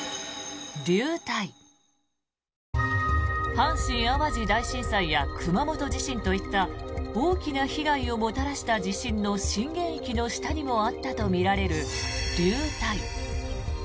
阪神・淡路大震災や熊本地震といった大きな被害をもたらした地震の震源域の下にもあったとみられる流体。